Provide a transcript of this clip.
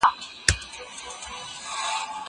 زه پرون مڼې وخوړلې!!